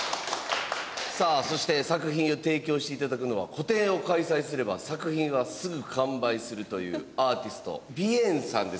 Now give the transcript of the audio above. さあそして作品を提供して頂くのは個展を開催すれば作品はすぐ完売するというアーティストＢＩＥＮさんです。